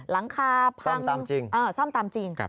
หลังคาพังซ่อมตามจริง